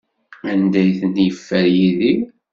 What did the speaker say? Anda ay ten-yeffer Yidir?